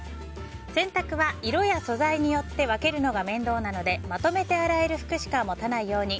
洗濯は、色や素材によって分けるのが面倒なのでまとめて洗える服しか持たないように。